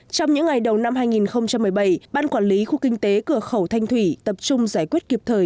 trong những ngày đầu năm hai nghìn một mươi bảy ban quản lý khu kinh tế cửa khẩu thanh thủy tập trung giải quyết kịp thời